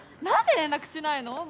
何で連絡しないの⁉